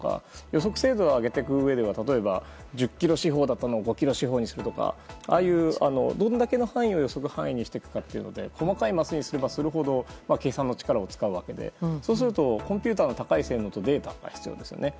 予測精度を上げるためには１０ｋｍ四方を５ｋｍ四方にするとかどれだけの範囲を予測範囲にするかで細かいますにすればするほど計算の力を使うわけでコンピューターの高い性能とデータが必要ですよね。